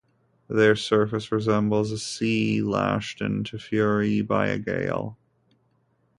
Their surface resembles a sea lashed into fury by a gale.